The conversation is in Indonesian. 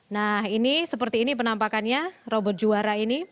nah ini seperti ini penampakannya robot juara ini